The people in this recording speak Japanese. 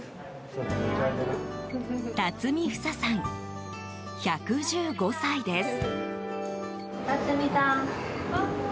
巽フサさん、１１５歳です。